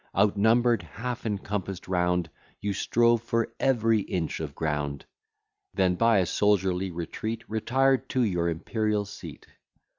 Outnumber'd, half encompass'd round, You strove for every inch of ground; Then, by a soldierly retreat, Retired to your imperial seat.